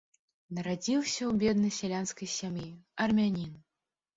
Нарадзіўся ў беднай сялянскай сям'і, армянін.